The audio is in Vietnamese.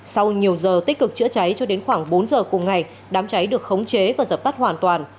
sau nhiều giờ tích cực chữa cháy cho đến khoảng bốn giờ cùng ngày đám cháy được khống chế và dập tắt hoàn toàn